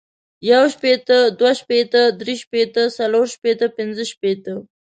يو شپيته ، دوه شپيته ،دري شپیته ، څلور شپيته ، پنځه شپيته،